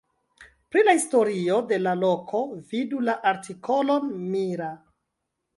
Pri la historio de la loko vidu la artikolon Mira.